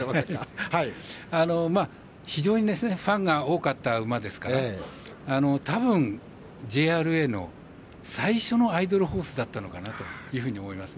非常にファンが多かった馬ですから多分、ＪＲＡの最初のアイドルホースだったのかなというふうに思います。